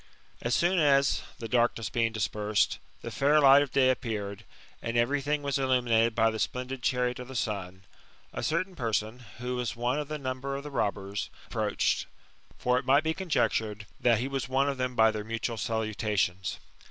As soon as, the darkness being dispersed, the fair light of day appeared, and every thing was illuminated by the splendid chariot of the sun, a certain person, who was one of the numbear of the robbers, approached ; for it might be conjectured that he was one of them by their mutual salutations.